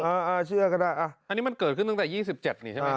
เชื่อก็ได้อันนี้มันเกิดขึ้นตั้งแต่๒๗นี่ใช่ไหม